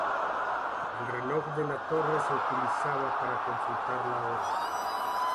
El reloj de la torre se utilizaba para consultar la hora.